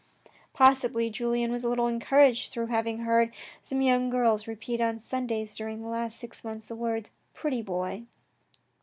Possibly Julien was a little encouraged through having heard some young girls repeat on Sundays during the last six months the words " pretty boy."